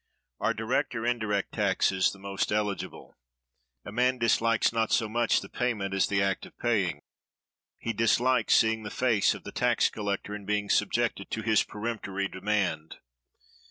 Are direct or indirect taxes the most eligible? A man dislikes not so much the payment as the act of paying. He dislikes seeing the face of the tax collector, and being subjected to his peremptory demand.